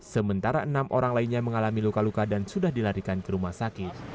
sementara enam orang lainnya mengalami luka luka dan sudah dilarikan ke rumah sakit